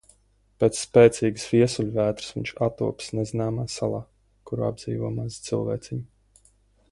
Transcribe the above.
Pēc spēcīgas viesuļvētras viņš attopas nezināmā salā, kuru apdzīvo mazi cilvēciņi.